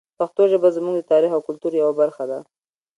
پښتو ژبه زموږ د تاریخ او کلتور یوه برخه ده.